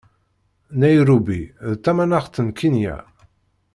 Nayṛubi d tamanaxt n Kinya